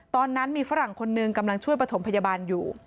ตอนนั้นมีฝรั่งคนหนึ่งกำลังช่วยประถมพยาบาลอยู่